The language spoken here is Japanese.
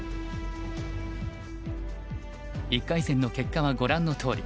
１回戦の結果はご覧のとおり。